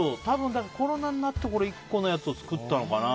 コロナになってから１個のを作ったのかな？